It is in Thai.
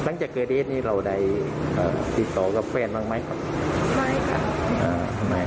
นี้เราได้ติดต่อกับแฟนมั่งไหมครับไม่ครับ